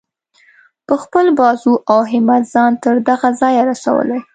په خپل بازو او همت ځان تر دغه ځایه رسولی.